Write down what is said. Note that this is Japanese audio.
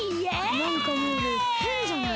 なんかムールへんじゃない？